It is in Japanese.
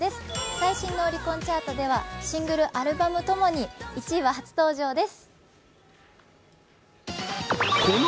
最新のオリコンチャートではシングル、アルバム共に１位は初登場です。